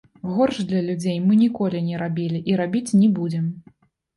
Горш для людзей мы ніколі не рабілі і рабіць не будзем.